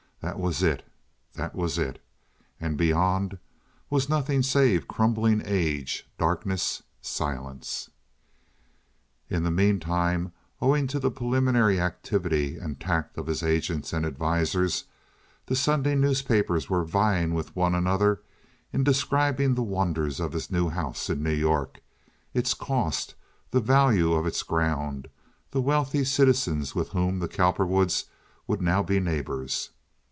That was it: that was it. And beyond was nothing save crumbling age, darkness, silence. In the mean time, owing to the preliminary activity and tact of his agents and advisers, the Sunday newspapers were vying with one another in describing the wonders of his new house in New York—its cost, the value of its ground, the wealthy citizens with whom the Cowperwoods would now be neighbors.